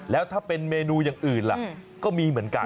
แล้วถ้าเป็นเมนูอย่างอื่นล่ะก็มีเหมือนกัน